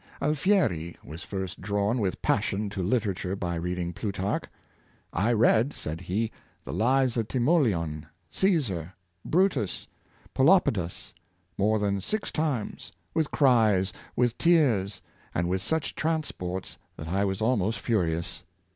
Al fieri was first drawn with passion to literature by reading Plutarch. ''I read,'' said he "the lives of Timoleon, Caesar, Brutus, Pelopidas, more than six times, with cries, with tears, and with such transports that I was almost furious.